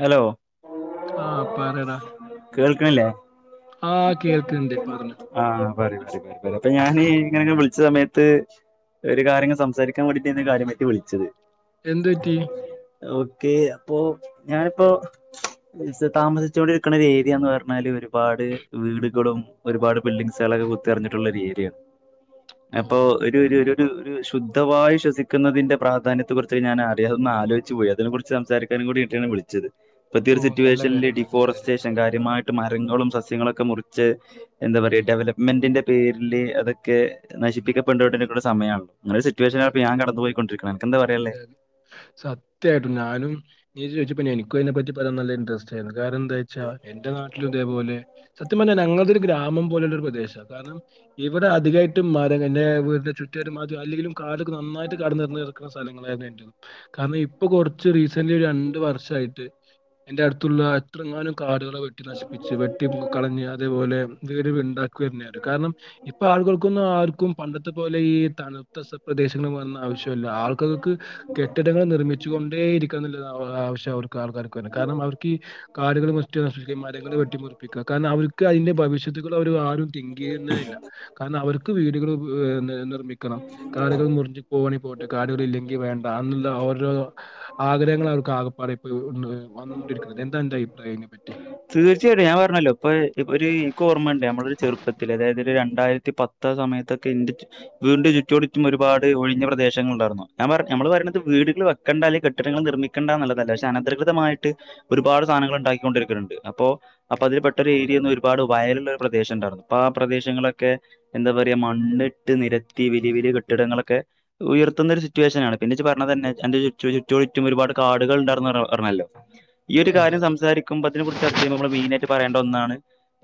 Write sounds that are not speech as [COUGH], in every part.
Hello ആഹ പറയടാ കേൾക്കനില്ലേ പറഞ്ഞോ ആ അപ്പൊ ഞാൻ ഇങ്ങനെ വിളിച്ച സമയത്ത് ഒരു കാര്യങ്ങങ് സംസാരിക്കാൻ വേണ്ടിട്ടാണ് കാര്യം പറ്റി വിളിച്ചത് ഇതെന്തു പറ്റി ഓക്കേ അപ്പൊ ഞാനിപ്പോ താമസിച്ചോണ്ടിരിക്കുന്ന ഒരു ഏരിയന്ന് പറഞ്ഞാല് ഒരുപാട് വീടുകളും ഒരുപാട് ബിൽഡിങ്സുകളൊക്കെ കുത്തിറിഞ്ഞിട്ടുള്ള ഒരു ഏരിയാണ് ഉം അപ്പൊ ഒരു ഒരു ഒരു ശുദ്ധായി ശ്വസിക്കുന്നതിന്റെ പ്രാധാന്യത്തെ കുറിച്ച് ഞാൻ അറിയാതെ ഒന്നും ആലോചിച്ചു പോയി അതിനെ കുറിച്ച് സംസാരിക്കാ കൂടിയിട്ടാണ് വിളിച്ചത് ഇപ്പത്തിയ ഓ ഒരു നല്ല സിറ്റുവേഷനില് കാര്യം നല്ല കാര്യം ഡിഫോറസ്റ്റേഷൻ കാര്യമായിട്ട് മരങ്ങളും സസ്യങ്ങളൊക്കെ മുറിച്ച് എന്താ ഉം പറയുക ഡെവലപ്മെന്റിന്റെ പേരില് അതൊക്കെ നശിപ്പിക്കപ്പെണ്ടോരിക്കുന്ന സമമാണല്ലോ പറയാ സത്യായിട്ടും ഞാനും ചോ പിന്നെ എനിക്കുതിനെറ്റി പറയാ നല്ല ഇൻറ്രസ്റ്റ് ആരുന്നു കാരണം എന്താ വെച്ചാ എന്റെ നാട്ടിലും ഇതേപോലെ സത്യം പറഞ്ഞ ഞങ്ങളുടെ ഒരു ഗ്രാമം പോലുള്ള ഒരു പ്രദേശമാണ് കാരണം ഇവിടെ അധികമായിട്ടും മ എന്റെ വീട്ടിൽ ചു [UNINTELLIGIBLE] അല്ലെങ്കും ാലൊ നന്നായിട്ട് കട നിറന്ന നിക്കുന്ന സ്ഥലങ്ങളായിരുന്നു കാരണം ഇപ്പൊ കുറച്ച് റീസന്റ്ലി ഒരു രണ്ട് വർഷം ് എ അടുത്തുള്ള എങ്ങ കാടുകളെ വെട്ടി നശിപ്പിച്ച് വെട്ടി കളഞ്ഞ് അതേപോലെ വീട് വിണ്ടാ [UNINTELLIGIBLE] കാരണം ഇപ്പൊ ആളുകൾക്കൊന്നും ആർക്കും പണ്ടത്തെ പോലെ ഈ തണുത്ത സ് പ്രദേശങ്ങളൾ വന്ന ആവശൃല്ല ആൾക്കൾക്ക് കെട്ടിടങ്ങൾ നിർമ്മിച്ചുകൊണ്ടേ ഇരിക്ക എന്ന്ല്ലാആവശ്യം അവർക്കാ ആൾകാര്കാ കാരണം അവർക്കീ കാടുകൾ വെട്ടി നശിപ്പിക്കുക മരങ്ങൾ വെട്ടമുറിപ്പിക്കുക കരണം അവർക്ക് അയിന്റെ ഭവി ഷൃത്തകൾ അവ ആരും തിങ്ക്യ്യുന്നേ ഇല്ല കാരണം അവർക്ക് വീടുകൾ പിന്നെ നിർമ്മിക്കണം. കാടുകൾ മുറിഞ്ഞു പോവാണെങ്കിൽ പോട്ടൊ കാടുകൾ ഇല്ലെങ്കിൽ വേണ്ട അതൊന്നുല്ല ഓരോ ആഗ്രഹങ്ങൾ അവർക്ക് ആകപ്പാട ഇപ്പോ വന്നൊണ്ടിരിക്കുന്നത് എന്താണ് അന്റെ അഭിപ്രായം അയിപറ്റി തീർച്ചയായിട്ടും ഞാൻ പറഞ്ഞല്ലോ ഇപ്പ ഇപ്പോര്ഈ ഇന്ക്ക് ഓമ്മണ്ട്. നമ്മളെ ഒരു ചെറുപ്പത്തിൽ അതായത് ഒരു രണ്ട് രണ്ടായിരത്തി പത്ത് ആ സമയത്തൊക്കെ ഇൻ്റെ വീട് ചുറ്റോട് ചുറ്റും ഒരുപാട് ഒഴിഞ്ഞ പ്രദേശങ്ങൾ ഉണ്ടായിർന്നു ഞാൻ പറഞ്ഞ് ഞമ്മള് പറയുന്നത് വീടുകൾ വെക്കെണ്ട അല്ലെങ്കിൽ കെട്ടിടങ്ങൾ നിർമിക്കണ്ട ന്നുള്ളതല്ല പക്ഷെ അനധികൃതമായിട്ട് ഒരുപാട് സാധനൾ ഉണ്ടാ കൊണ്ടിരിക്കുന്നുണ്ട് അപ്പോ അപ്പതിൽ പെട്ട ഒരു ഏരിയേന്നും ഒരുപാട് വയലുള്ള ഒരു പ്രദേശം ഉണ്ടായിരുന്നു അപ്പൊ ആ പ്രദേശങ്ങളൊക്കെഎന്താ പറ മണ്ണിട്ട് നിരത്തി വലിയ വലിയ കെട്ടിടങ്ങളൊക്കെ ഉയർത്തുന്ന ഒരു സിറ്റുവേഷനാണ് പിന്നെ ഇജ്ജ് പറഞ്ഞതന്നെ എന്റെ ചുറ്റു ചുറ്റോട്ചുറ്റും ഒരുപാട് കാടുകൾ ഉണ്ടാർന്ന് പറഞ്ഞല്ലോ ഈ ഒരു അതെ കാര്യം അതെ സംസാരിക്കുമ്പോ തിനെ കുറിച് മെയിനായിട്ട് പറയേണ്ട ഒന്നാണ്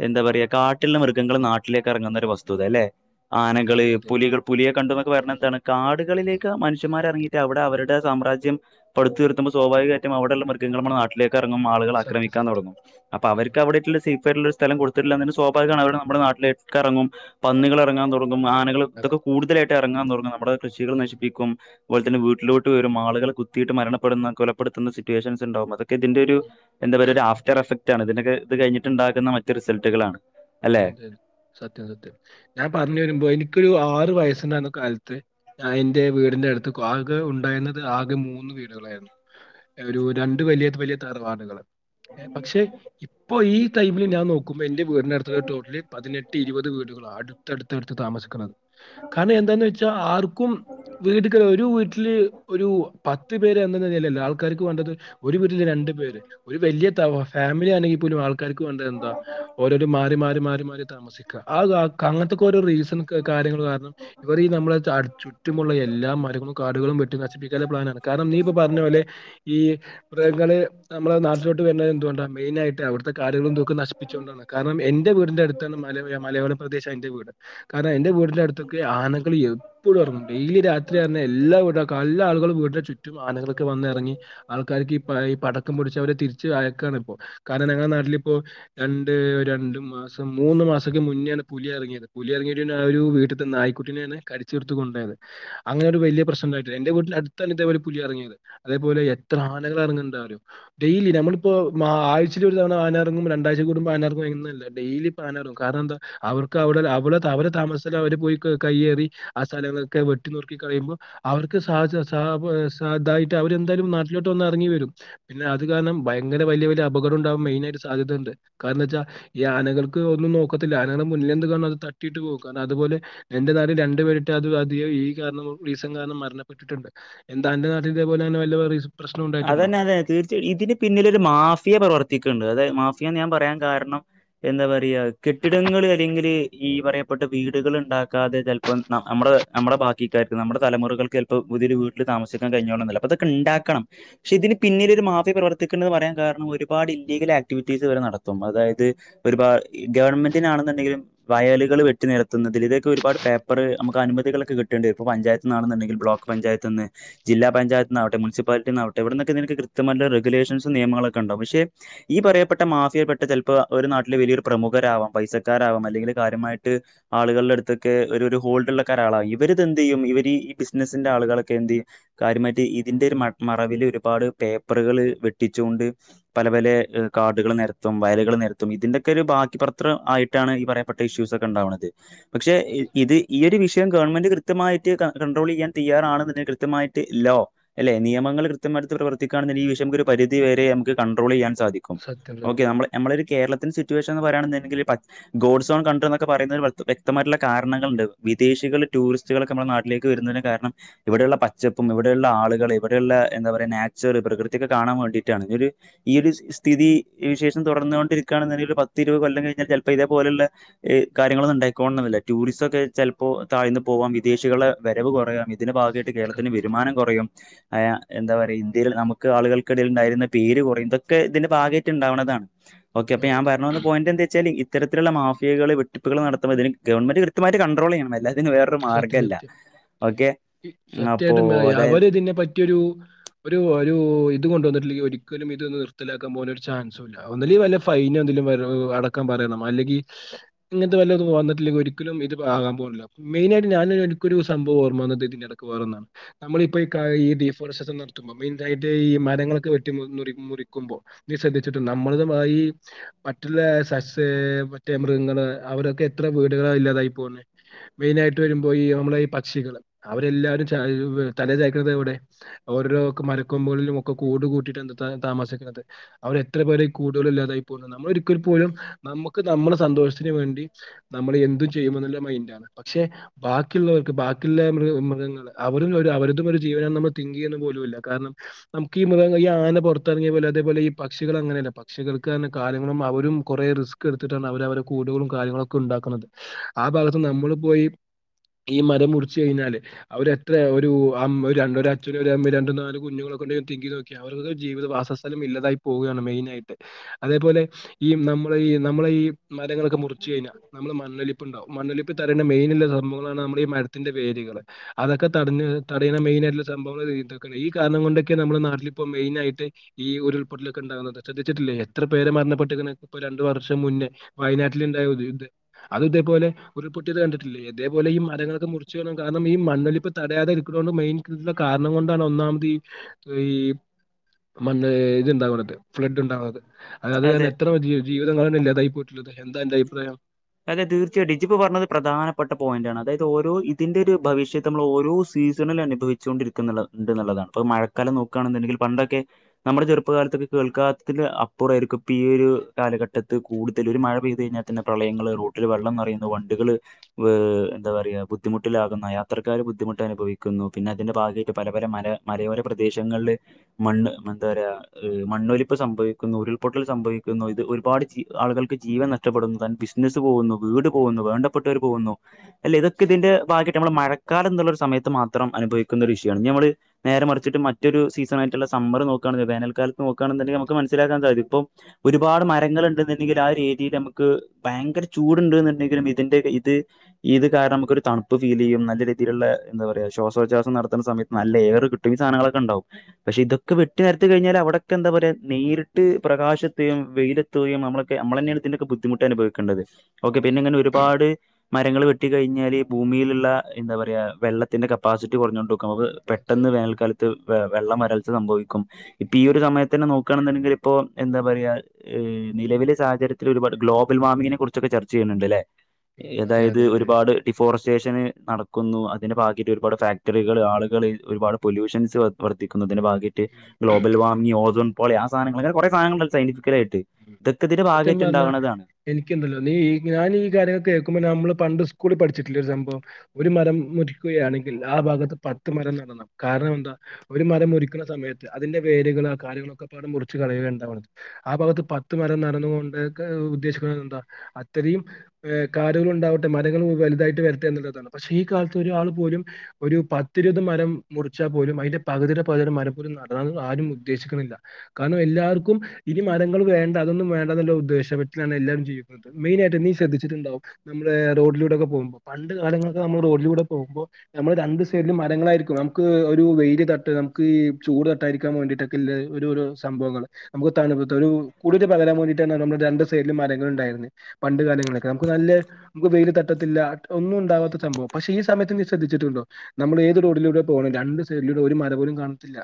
എന്താ പറയാ കാട്ടിലുള്ള മൃഗങ്ങൾ നാട്ടിലേക്ക് എറങ്ങുന്ന ഒരു വസ്തുതല്ലേ ആനകള് അതെ അതെ പുലികൾ പുലിയെ കണ്ടു എന്നൊക്കെ പറയിണതന്താണ് ഉം. കാടുകളിലേക്ക് മനുഷ്യമാർ ഇറങ്ങിട്ട് അവിടെ അവരുടെ സമ്രാജ്യം പടുത്തുയർത്തുമ്പോ സ്വാഭാവികമായിട്ടുംഅവിടെള്ള മൃഗങ്ങൾ നമ്മുടെനാട്ടിലെ അറങ്ങും ആളുകൾ സത്യം ആക്രമിക്കാൻ സത്യം തുടങ്ങും അപ്പൊ ഉം. അവർക്ക് അവിടെള്ള സേഫ് ആയിട്ടുള്ള സ്ഥം കൊടുത്തില്ലായെങ്കിൽ സ്വാഭാവികാണ് അവര്നമ്മുടെ നട്ടിലോകറങ്ങും പന്നികളറങ്ങാൻ തുടങ്ങും ആനകൾ അതെ ഇതൊക്കെ കൂടുതലായിട്ട്റങ്ങാൻ തുടങ്ങും നമ്മുടെ കൃഷികൾ ഉം. നശിപ്പിക്കും അതുപോലെതന്നെ വീട്ടിലോട്ടു വെരു ആളുകളെ കുത്തീട്ട് മരണപ്പെടുന്ന കൊലപ്പെടുത്തുന്ന സിറ്റുവേഷൻസ് ഉണ്ടാവും അതോ ഇതിന്റെ ഒരു ഉം. എന്താ പറയ ഒരു ആഫ്റ്റർ എഫക് ആണ് ഇതിനൊക്കെ ഇത് കഴിഞ്ഞിട്ടുണ്ടാകുന്ന മറ്റു റിസൾട്ടുകളാണ് അല്ലെ അതെ അതെ സത്യം സത്യം ഞാൻ പറഞ്ഞു വരുമ്പോ എനിക്കൊരു ആ ത് വയസ്സനാകുന്ന കാലത്ത് ഞാൻ ഇന്റെ വീടിൻ്റെ അടുത്ത് ആകെ ഉണ്ടായിരുന്നത് ആകെ മൂന്നു വീടുകളായിരുന്നു ഒരു രണ്ടു വലിയ വലിയ തറവാടുകള് പക്ഷെ ഇപ്പൊ ഈ ടൈമില് ഞാൻ നോക്കുമ്പോ എന്റെ വിടിനടുത്ത് ടോട്ടലി പതിനെട്ട് ഇരുപത് വീടുകളാണ് അടുത്തടുത്ത് താമസിക്കുന്നത് കാരണം എന്താന്ന വെച്ചാ ആർക്കും വീട്ടുക ഒരു വീട്ടില് ഒരു പത്ത് പേര് എന്ന നിലയിലല്ലാ ആൾക്കാർക്ക് വേണ്ടത് ഒരു വിട്ടിൽ രണ്ടു പേര് ഒരു വലിയ തവ ഫാമിലി ആണെങ്കിൽ പോലും ആൾക്കാർക്ക് വേണ്ടത് എന്താ ഓരോരോ മാ മാറിമാറി താമസിക്ക ആ അങ്ങനത്തക്കൊരോ റീസണ് കാര്യങ്ങൾ കാരണം ഇവർ ഈ നമ്മളെ ചടച്ചു റ്റുമുള്ള എല്ലാ മരങ്ങളും കാടുകളും വിെട്ടും നശിപ്പിക്കാന് പ്ലാനാണ് കാരണം നീ ഇപ്പോ പറഞ്ഞ പോലെ ഈ പ്ര ൾനമ്മളെ നാട്ടിലോട്ട് വരുന്നത് എന്തുകൊണ്ട മെയിനായിട്ട് അവിടുത്തെ കാര്യങ്ങൾ ന്തൊക്കെ നശിപ്പിച്ചു കൊണ്ടാണ് കാരണം എൻ എന്റെ വീടിന്റെ അടുത്ത്റഞ്ഞാല് മല മലയോല പ്രദേശ എന്റെ വീട് കാരണം എന്റെറെ വീടിന്റെ അടുത്തൊക്കെ ആനകൾ എപ്പോഴും ഒ ട്ടും ഡെയിലി രാത്രിറഞാൽ എല്ലാ വീടാൾകും എല്ലാ ആളുകളും വീടിന്റെ ചുറ്റും ആനകളൊകേ വന്ന് എറങ്ങി ആൾക്കാർക്ക് ഈ ഈ പടക്കം പൊടിച്ച് അവരെ തിരിച്ച് അയക്കാണ് ഇപ്പോ കാരണം ഞങ്ങളുടെ നാട്ടിലിപ്പോ രണ്ട് രണ്ടും മാസം മൂന്ന് മാസംക്കെ മുന്നെയാണ് പുലി എറങ്ങിയത് പുലി എറങ്ങിയിട്ട് ആ ഒരു വീട്ത്തെ നായ്ക്കുട്ടിനെയാണ് കടിച്ചെടുത്തുകൊണ്ടോ അങ്ങനെ ഒരു വലയപ്രശ്ന ഉണ്ടായിട്ടില്ല എന്റെ വീട്ടി ന്റെഅടുത്താന്നെ ഇതുപോലെ പുലി എറങ്ങിയത് അതേപോലോ എത്ര ആളുകളാണ് ന്നന്താ അറിയോ ഡെയിലി നമ്മളിപ്പോ മാ ആഴ്ച ഒരു തവണ ആനറങ്ങും രണ്ടഴ്ച കടുമ്പോ ആനറങ്ങും എന്നല്ലേ ഡെയിലിപ്പോആന എറങ്ങും കാരണം എന്താ അവർക്ക്അവര്ടെ [UNINTELLIGIBLE] അവിടെതാമസ സ്ഥലംഅവർ പോയി കയ്യേറിആ സ്ഥലങ്ങളൊക്കെവെട്ടി നുർക്കി കളയുമ്പോൾ അവർക്ക് സാജസ് [UNINTELLIGIBLE] ഇതായിട്ട് അവരെന്തായാലും നാട്ടിലോട്ട് വന്ന് ഇറങ്ങി വരും പിന്നെ അത് കാരണം ഭയങ്കര വലിയ വലിയ അപകടം. ണ്ടാവും മെയിനയീട് സാധ്യത ഉണ്ട് കാരണം ചാ ഈ ആനകൾക്ക് ഒന്നും നോക്കത്തില്ല ആനകൾ മുന്നിൽെന്ത് കാണുന്നുഅത് തട്ടിട്ട് പോകും കാരണം അതുപോലെ എന്റെ നേരെ രണ്ട് പേരിട്ട ഈസ [UNINTELLIGIBLE] കാരണം മരണപ്പെട്ടിട്ടുണ്ട് എന്താ എന്റെ നാട്ടില ഇതേപലെവലതും [UNINTELLIGIBLE] അതന്നെ അതെ തീർച്ച ഇതിന് പിന്നിൽ ഒരു മാഫിയ പ്രവർത്തിക്കുന്നുണ്ട് അതായ മാഫിയാന്ന് ഞാൻ പറയാൻ കാരണം എന്താ പറയാ കെട്ടിടങ്ങൾ അല്ലെങ്കില് ഈ പറയപ്പെട്ട വീടുകൾ ണ്ടാക്കാതെ ചെലപ്പം നമ്മുൾ നമ്മുളെ ബാക്കിക്കാർ നമ്മുടെ തലുറൾക്ക് ചപ്പോ പുതിയ വീട്ടിൽ താമസിക്കാൻ കഴഞ്ഞോളനില അതൊക്കെണ്ടാക്കണം ക്ഷെ ഇതിന് പിന്നിൽ ഒരു മാഫിയ പ്രവർത്തിക്ക്ണ്ട് ന്ന് പറയാൻ കാരണം ഒരുപാട് ഇൻ്റീഗൽ ആക്ടിവിറ്റീസ് ഇവർ നടത്തും അതായത് ഒരുപാ ഈ ഗവൺമെന്റിണാണെന്നുണ്ടെങ്കിലും വയലുകള് വെട്ടി നിരത്തുന്നതിന് ഇതിനക്ക ഒരുപാട് പേപ്പറ് അം മ്മക്ക് അനുമതികളൊക്കെ കിട്ടേണ്ടിരും ഇപ്പ പഞ്ചായത്ത്ന്ന് ആണെന്നെണ്ടെങ്കിൽ ബ്ലോക്ക് പഞ്ചായത്ത്ന്ന് ജില്ലാ പഞ്ചായത്ത്ന്നാവട്ടെ മുസിപ്പാലി ന്നാവട്ടെ എവിടൊന്നൊക്കെ ഇതിന് കൃത്യമായിട്ട് റെഗുലേഷസും നിയമങ്ങളൊക്കെ ഇണ്ടാവും പക്ഷെ ഈ പറയപ്പെട്ട മാഫിയേൽപെട്ട ചിലപ്പോ ഓര് നാട്ടില് വലിയൊരു പ്രമുഖരാവാം പൈസക്കാരാവാം അല്ലെങ്കിൽ കാര്യമായിട്ട് ആളുകളുടെടുത്തൊക്കെ ഒരുരു ഹോൾ ൽ കരാള ഇവരിതെന്തെയ്യും ഇവര് ഈ ബിസിനസിന്റെ ആളുകളൊക്കെ എന്തെയ്യും കാര്യമായിട്ട് ഇതിന്റെയൊരു മട് മറവിൽ ഒരുപാട് പേപ്പറുകള് വെട്ടിച്ചുകൊണ്ട് പല പലെ എ കാടുകള് നെരെത്തും വയലുകള് നേരത്തും ഇതിന്റെക്കെരു ബാക്കി പത്രം ആയിട്ടാണ് ഈ പറയപ്പെട്ട ഇഷ്യൂസ് ഒക്കെ ഇണ്ടാവണത്. പക്ഷെ ഇ ഇത് ഈയൊരു വിഷ് ത്യം ഗവൺമെന്റ് കൃത്യമായിട്ട് ക കൺട്രോളെയ്യാൻ തയ്യറാണ്ന്നെ കൃത്യമായിട്ട് ലോ ല്ലെ നിയമ ഇങ്ങള് കൃത്യമാ [UNINTELLIGIBLE] പ്രവത്തിക്കാണെന്നി ഈ വിഷയം ഒരു പരിതി വെരെ അമ്ക്ക് കൺട്രോളെയ്യാൻ സാധിക്കും സത്യം ഓക്കെ സത്യം അമ്മള് അമ്മള്ളൊരു കേരളത്തിന് ചുറ്റ് സിറ്റുവേഷൻ എന്ന് പറയാണുണ്ടെങ്കില് [UNINTELLIGIBLE] ഗോഡ്‌സോൺ കൺട്രി എന്നൊക്കെ പറയുന്നതിന് [UNINTELLIGIBLE] വ്യക്തമായിട്ടുള്ള കാരണങ്ങളുണ്ട് വിദേശികള് ടൂറിസ്റ്റുകളൊക്കെ മ്മടെ നാട്ടിലേക്ക് വരുന്നതിന് കാരണം ഇവിടെയുള്ള പച്ചപ്പും ഇവിടെയുള്ള ആളുകള് ഇവട് ന്ന്ള്ള എന്താപറയ്ന്നെ നാച്ചൊർ പ്രകൃതിക്കെ കാണാൻ വേണ്ടിറ്റാണ് ഇയൊരു ഈ ഒരു സ് സ്ഥിതി വിശേഷം തുടർന്ന നോർണ്ടിരിക്കാണെന്നെങ്കില് പത്തിരൂ കൊല്ലം കഴിഞ്ഞാൽ ചെലപ്പോ ഇതേപോലുള്ള ഇ കാര്യങ്ങളൊന്നുണ്ടായിക്കോൺന്നില്ല ടൂറിസോക്കെ ചെലപ്പോ താഴ്ന്ന് പോവാം വിദേശികളെ വരവ് കുറയാം ഇതിന്റെ ഭാഗായിട്ട് കേരളത്തിന് സത്യം. വെരുമാനം കൊറയും അയ എന്താ പറയാ ഇന്ത്യയിൽ നമുക്ക് ആളുകൾക്കിടയിൽ ഇണ്ടായിരുന്ന പേര് കൊറയും ഇതൊക്കെ ഇതിന്റെ ഭാഗമായിട്ട് ഇണ്ടാവണതാണ്. ഓക്കെ ആ അപ്പ ഞാൻ അതെ പറഞ്ഞ് വന്ന പോയിന്റ് എന്താച്ചാല് ഇത്തരത്തിലുള്ള മാഫിയകള് വെട്ടിപ്പുകൾ നടത്ത്മ്പോ ഇതിന് ഗവൺമെന്റ് കൃത്യമായിട്ട് കൺട്രോല്ലെയ്യണം അല്ല ഇതിന് വേറൊരു സത്യം മാർഗല്ല സത്യം. ഓക്കെ മ് അപ്പോ അതായത് മറ്റൊരു ഒരു ഒരു ഇത് കൊണ്ടന്നിട്ടില്ലെങ്കി ഒരിക്കലും ഇത് നിർത്തലാക്കാൻ പോവാനൊരു ചാൻസൂല്ല. ഒന്നില്ലെങ്കി ത് വല്ല ഫൈനോ ന്തെലും [UNINTELLIGIBLE] അടക്കാൻ പറയണം അല്ലെങ്കി ഇങ്ങൻത്തെ വല്ലതും വന്നിട്ടില്ലെങ്കി ഒരിക്കലും ഇത് [UNINTELLIGIBLE] [UNINTELLIGIBLE] മെയിനായിട്ട് ഞാന് എനിക്കൊരു സംഭവം ഓർമ്മവന്നത് ഇതിനിടക്ക് വേറോന്നാണ് നമ്മളിപ്പോ ഇ കയി ഈ [UNINTELLIGIBLE] നടത്തു മോമിറ്റായിട്ടേ ഈ മരങ്ങളൊക്കെ വെട്ടി മുരി നുരി മുറിക്കുമ്പോ നീ ശ്രദ്ധിച്ചിട്ടുണ്ടോ നമ്മളതുമായി മറ്റുള്ള സസ്സ് മറ്റേ മൃഗങ്ങള് അവരൊക്കെ എത്ര വീടുകളാ ഇല്ലാതായി പോണെ മെയിനായിട്ട് വെരുമ്പോ ഈ മ്മളെ ഈ പക്ഷികള് അവരെല്ലാവരും ചായ് [UNINTELLIGIBLE] തല ചായിക്കുന്നുന്നത് എവിടെ ഓരൊരു രൊക്കെ മരക്കൊമ്പുകളിലുമൊക്കെ കൂട് കൂട്ടിട്ട് എന്ത്താ താമസിക്കണത് അവരെത്ര പേരാ കൂടുകളില്ലാതായി പോകുന്നത് നമ്മൾ ഒരിക്കൽ പോലും നമുക്ക് നമ്മളെ സന്തോഷത്തിന് വേണ്ടി നമ്മൾ എന്തും ചെയ്യുംമെന്നുള്ള മൈൻഡാണ്. പക്ഷെ ബാക്കിയുള്ളവർക്ക് ബാക്കിള്ളൃ മൃഗ മൃഗങ്ങള് അവരും ഒരു അവരുതും ഒരു ജീവന നമ്മൾ തിങ്ക് ചെയ്യണ പോലു ലൂല്ല കാരണം നമുക്ക് ഈ മൃഗങ ഈ ആന പുറത്തിറങ്ങിയ പോലെ അതേപോലെ ഈ പക്ഷികൾ അങ്ങനെയല്ല പക്ഷികൾക്ക്ന്ന് [UNINTELLIGIBLE] നിങ്ങളും അവരും കൊറെ റിസ്ക് എടുത്തിട്ടാണ് അവര് അവര്ടെ കൂടുകളും കാര്യങ്ങളൊക്കെ ഉണ്ടാക്കുന്നത് ആ ഭാഗത്ത് നമ്മളും പോയി ഈ മരം മുറിച്ച് കഴിഞ്ഞാല് അവരെത്ര ഒരു അം ഒരണ്ട ഒരച്ഛനും ഒരമ്മേ രണ്ടും നാല് കുഞ്ഞുങ്ങളു കൊണ്ടോയി ഒന്ന് തിങ്ക് ചെയ്തോക്ക്യ അവർക്ക് ജീവിതവാസസ്ഥലം ഇല്ലാതായി പോകുകാണ് മെയിൻ ആയിട്ട് അതേപോലെ ഈ നം മ്മളേ ഈ നമ്മളേ ഈ മരങ്ങളൊക്കെ മുറിച്ച് കഴിഞ്ഞാ നമ്മള് മണ്ണൊലിപ്പ്ണ്ടാവും മണ്ണൊലിപ് തരണ മെയിനുള്ള സംഭവങ്ങളാണ് നമ്മടെ ഈ മരത്തിന്റെ വേരുകള് അതൊക്കെ തടഞ്ഞ് തടയണ മെയിനായിട്ടുള്ള സംഭവങ്ങളായിതൊക്കെ ഈ കാരണം കൊണ്ടൊക്കെ നമ്മുടെ നാട്ടിലിപ്പോ മെയിനായിട്ട് ഈ ഉരുൾ പൊട്ടലൊക്കെണ്ടാകുന്നത് ശ്രദ്ധിച്ചിട്ടില്ലെ എത്ര പേര് മരണപ്പെട്ട്ക്ക്ണ് ഇപ്പൊ രണ്ട് വർ ഷം മുന്നേ വയനാട്ടിൽ ഇണ്ടായ ഇത് ദ് അത് ഇതേപോലെ ഉരുപൊട്ടിയത് കണ്ടിട്ടില്ലേ എതേപോലെ ഈ മരങ്ങളൊക്കെ മുറിച്ച് വേണം കാരണം ഈ മണ്ണൊലിപ്പ് തടയാതെ ഇരിക്കണൊണ്ട് മെയിൻ കൃ [UNINTELLIGIBLE] കാര ണം കൊണ്ടാണ് ഒന്നാമതീ ഈ മണ്ണ് [UNINTELLIGIBLE] ഫ്ലഡ് ഉണ്ടാവണത് അല്ലാതെ അതെ. തന്നെ എത്ര ജീ ജീവിതങ്ങളാണ് ഇല്ലാതായി പോയിട്ടുള്ളത്. എന്താ അന്റെ അഭിപ്രായം? അതെ തീർച്ചേയിട്ടും ഇജിപ്പോ പറഞ്ഞത് പ്രധാനപ്പെട്ട പോയിന്റാണ് അതായത് ഓരോ ഇതിൻ്റെരു ഭവിഷ്യത്ത് നമ്മൾ ഓരോ സീസണിൽ അനുഭവിച്ചുകൊണ്ടിരിക്കുന്നുള്ളത് ഉണ്ട്ന്നുള്ളതാണ് പ്പോ മഴക്കാലം നോക്കാണെന്നുണ്ടെങ്കിൽ പണ്ടൊക്കെ നമ്മുടെ ചെറുപ്പകാലത്തൊക്കെ കേൾക്കാത്തത്തിൻ്റെഅപ്പുറേരി ക്ക പ്പിയൊരു കാലഘട്ടത്ത് കൂടുതലൊരു മഴ പെയ് [UNINTELLIGIBLE] പ്രളയങ്ങള് റോട്ടിൽ വെള്ളം നിറയുന്നു വണ്ടികള് വ് എന്താ പറയ ബുദ്ധിമുട്ടിലാകുന്ന യാത്ര ക്കാര് ബുദ്ധിമുട്ട് അനുഭവിക്കുന്നു പിന്നെ അതിന്റെ ഭാഗായിട്ട് പല പല മര മരയോര പ്രദേശങ്ങള്ല് മണ്ണ് മണ്ണ് ന്താറയാ ഇ മണ്ണൊലിപ്പ് സംഭവിക്കുന്നു ഉരുൾപൊട്ടൽ സംഭവിക്കുന്നു ഇത് ഒരുപാട് ജീ ആളുകൾക്ക് ജീവൻ ന ഷ്ടപ്പെടുന്നു ബിസിനസ്സ് പോകുന്നു വീട് പോകുന്നു വേണ്ടപ്പെട്ടവർ പോകുന്നു അല്ലേ ഇതൊക്കെ ഇതിന്റെ ഭാഗമായിട്ട് നമ്മടെ മഴ കക്കാലം എന്നുള്ളൊരു സമയത്ത് മാത്രം അനുഭവിക്കുന്ന ഒരു വിഷയമാണ് ഇനി ഞമ്മള് നേരെ മറിച്ചിട്ട് മറ്റൊരു സീസൺ ആയ്ട്ടുള്ളാ സമ്മർ നോക്കി വേനൽകാലത് നോക്കയാണുണ്ടങ്കിൽ നമുക്ക്നസിലാൻ സാധിക്കും ഇപ്പം ഒരുപാട് മരങ്ങൾ ഉണ്ടുണ്ടെങ്കിൽ ആ ഒരു ഏരിയയില് നക്ക് ഭയങ്കര ചൂടുണ്ടണ്ടെങ്കിലും ഇതിന്റെ ഇത് ഇത് കാരണം നമുക്ക ഒരു തണുപ്പ് ഫീൽ ചെയ്യും നല്ല രീ രീതിുള്ള എന്താ പറയാ ശ്വാസോചാസം നടത്ത്ണ സമയത്ത് നല്ല ഏയർ കിട്ടും ഈ സാധനങ്ങളൊക്കെണ്ടാവും പക്ഷെ ഇതൊെക്കെ വെട്ടി നേരത്തി എടുത്ത് കഴിഞ്ഞാൽ അവിടൊക്കെ എന്താ പറയാ നേരിട്ട് പ്രകാശത്തെയും വെയിലതത്തുകയും നമ്മ നമ്മളൊക്കെ നമ്മളെന്നെ ആണ് ഇതിന്റെ ബുദ്ധിമുട്ട് ബുദ്ധിമുട്ട് അനുഭവിക്കേണ്ടത് ഓക്കെ പിന്നെ ഉം ഇങ്ങനെ ഒരുപാട് മരങ്ങൾ വെട്ടി കഴിഞ്ഞാല് ഭൂമിയിലുള്ള എന്താ പറയാ വെള്ളത്തിന്റെ കപ്പാസിറ്റി കുറഞ്ഞുകൊണ്ടും അതെ പെട്ടെന്ന് അതെ വേനൽക്കാലത്ത് വ വെള്ളം വരൽച്ച സംഭവിക്കും ഇപ്പൊ ഈ ഉം ഒരു സമയത്ത് തന്നെ നോക്കുകയാണെന്നുണ്ടെങ്കിൽ ഇപ്പൊ എന്താ പറയയാ നിലവിലെ സാഹചര്യത്തില് ഒരുപാട് ഗ്ലോബൽ വാർമിങ്ങിനെ കുറിച്ചൊക്കെ ചർച്ച ചെയ്യുന്നുണ്ട് അല്ലേ ഉം അതെ അതായത് അതെ അതെ അതെ ഒരുപാട് ഡിഫോറസ്റ്റേഷന് നടും ുന്നു അതിന് ഭാഗായിട്ട് ഒരുപാട് ഫാക്ടറികൾ ആളുകൾ ഒരുപാട് പൊല്യൂഷൻസ് വർദ്ധിക്കുന്നതി ഭ ഉം, ഗ്ലോബൽ അതെ. വാർമി ഓസോൺ പാളി ആ സധനങ്ങന കുറെ സധനങ്ങൾ ണ്ടല്ലൊ സയന്റിഫിക്കലയിട്ട് ഇതൊക്കെ ഇതിന്റെ ഭാഗമായിട്ട് ഉണ്ടാവുന്നതാണ് എനിക്ക് ഇണ്ടല്ലോ നീ ഈ ഞാൻ ഈ കാര്യങ്ങളൊക്കെ കേൾക്കുമ്പോ നമ്മള് പണ്ട് സ്കൂളിൽ പഠിച്ചിട്ടില്ലേ ഒരു സംഭവം ഒരു മരം റിക്കുകയാണെങ്കിൽ ആ ഭാഗത്ത് പത്ത് മരം നടണം കാരണം എന്താ ഒരു മരം മുരറിക്കുന്ന സമയത്ത് അതിന്റെ വേ രുകളോ കാര്യങ്ങളൊക്കെപാടെ മുറിച്ച് കളയുകയാണ്ടവൽ ആ ഭാഗ പത്ത് മരം നടുന്നത്കൊണ്ട് ഉദ്ദേശിക്ക്ണത് എന്താ അത്രയും കാരുകൾ ഉണ്ടാവട്ടെ മരങ്ങ വലുതായിട്ട് വരട്ടെ എന്നുള്ളതാണ് പക്ഷെ ഈ കാലത്ത് ഒരാൾ പോലും ഒരു പത്തിരുപത് മരം മുറിച്ചാൽ പോലും പകുതിയുടെ പകുതി മരം പോലും നടണം ന്നു ആരും ഉദ്ദേശിക്കുന്നില്ല കാരണം എല്ലാവർക്കും ഇനി മര വേണ്ട അതൊന്നും വേണ്ട എന്നുള്ള ഉദേശത്തിലാണ് എല്ലാരും ജീവിക്കുന്നത് മെയിനായിട്ട് നീ ശ്രദ്ധിച്ചിട്ടുണ്ടും നമ്മടെ റോട്ട് ിലൂ പോകുമ്പോ പണ്ട് കാലങ്ങളൊക്കെ നമ്മൾ റോഡിലൂടെ പോകുമ്പോ നമ്മൾ രണ്ട് സൈഡിലും മരങ്ങളായിരിക്കും. നമുക്ക് ഒരു വെയില് തട്ട് നമുക്ക് ഈ ചൂട് തട്ടായിരിക്കാൻ വേണ്ടിയിട്ടൊക്കെള്ള ഒരു ഒരു സംഭവങ്ങൾ നമുക്ക് തണുപ്പ ഒരു കൂളിര് പകരാൻ വേണ്ടിട്ടെന്നെ നമ്മുടെ രണ്ട് സൈഡിലും മരങ്ങളൾ ഉണ്ടായിരുന്നു പണ്ട് കാലങ്ങളൊക്കെ നമു നല്ല വെയിൽ തട്ട ഇല്ല ഒന്നും ഉണ്ടാവാത്ത സംഭവം പക്ഷേ ഈ സമയത്ത് നീ ശ്രദ്ധിച്ചിട്ടണ്ടോ നമ്മൾ ഏത് ോഡിലൂടെ പോകണം രണ്ട് സൈഡിലും ഒരു മരം പോലും കാണത്തില്ല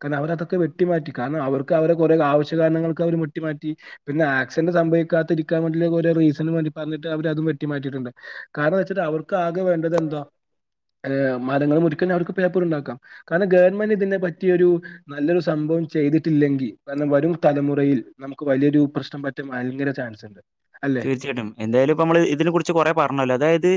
കാരണം അവരതൊക്കെ വെട്ടിമാറ്റി കാരണം അവർക്ക് അവരെ കുറെ ആവശ്യ കാരണങ്ങൾക്ക് അവർ വെട്ടി മാറ്റി പിന്നെ ആക്സിഡന്റ് സംഭവിക്കാത്തി ഇരിക്കാൻ വേണ്ടി ഓരോ റീസനും പറഞ്ഞിട്ട് അവരതും വെട്ടി മാറ്റിയി ട്ടുണ്ട് കാരണംന്ന് വെച്ചിട്ട് അവർക്ക് ആകെ വേണ്ടത് എന്താ ഹ് മരങ്ങൾ മുറിക്ക അവർക്ക് പേപ്പർ ഉണ്ടാക്കാം കാരണം ഗവൺമെന്റ് ഇതിനെ പറ്റിയൊരു നല്ലൊരു സംഭവം ചെയ്തിട്ടില്ലെങ്കിൽ വരും തലമുറയിൽ നമുക്ക് വലിയൊരുപ്രശ്നം പറ്റാൻ ഭയങ്കര ചാൻസ് ഉണ്ട് അല്ലെ തീർച്ചയായിട്ടും എന്തായാലും ഇപ്പ നമ്മള് ഇതിനെ കുറിച്ച് കൊറെ പറഞ്ഞല്ലോ അതായത്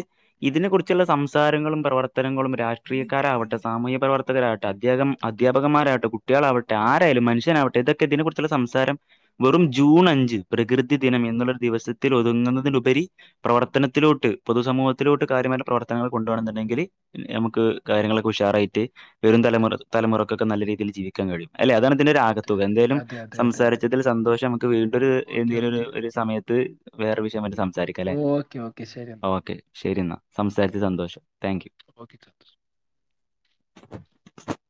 ഇതിനെ കുറിച്ചുള്ള സംസാരങ്ങളും പ്രവർത്തനങ്ങളും രാഷ്ട്രീയക്കാരാവട്ടെ സാമൂഹ്യ പ്രവർത്തകരാവട്ടെ അധം അതെ അധാപകന്മാരാവട്ടെ കുട്ടികളാവട്ടെ ആരായാലും മനുഷ്യനാവട്ടെ ഇതൊക്കെ ഇതിനെ കുറിച്ചുള്ള സംസാരം വെറും ജൂൺ അഞ്ച് പ്രകൃതി ദിനം എന്നുള്ള ഒരു ദിവസത്തിൽ ഒതുങ്ങുന്നതിലുപരി പ്രവർത്തനത്തിലോട്ട് പൊതുസമൂഹത്തിലോട്ട് കാര്യമായ പ്രവർത്തനങ്ങൾ കൊണ്ടുപോണംന്നു ണ്ടെങ്കിൽ തന്നെ ങ്കിൽ നമുക്ക് കാര്യങ്ങളൊക്കെ ഉഷാറായിട്ട് വെരും തലമു അതെ തലമുറക്ക്‌ ഒക്കെ നല്ല രീതിയിൽ ജീവിക്കാൻ കഴിയും അല്ലെ അതാണ് ഉം ഇതിന്റെ അതെ ഒരാകത്തുക എന്തായാലും അതെ അതെ അതെ അതെ സംസാരിച്ചതിൽ സന്തോഷം നമുക്ക് വീണ്ടൊരു ഓക്കെ എന്തെങ്കിലും ഒരു ഓക്കെ ഒരു സമയത്ത് അ വേറെ വിഷയം പറ്റി സംസാരിക്കാം ല്ലെ ഓക്കെ ഓക്കെ ശരി എന്നാ ഓക്കെ ശരി എന്നാ സംസാരിച്ച് സന്തോഷം താങ്ക് യു. ഓക്കി [UNINTELLIGIBLE]